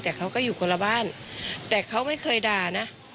แต่เขาก็อยู่คนละบ้านแต่เขาไม่เคยด่านะ